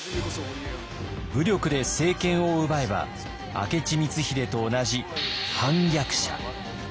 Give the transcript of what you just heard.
武力で政権を奪えば明智光秀と同じ反逆者。